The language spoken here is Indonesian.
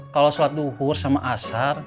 kalau sholat duhur sama asar